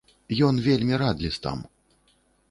Ён вельмі рад лістам.